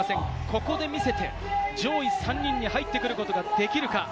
ここで見せて、上位３人に入ってくることができるか。